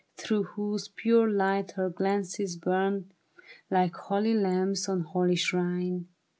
Through whose pure light her glances burned Like holy lamps on holy shrine.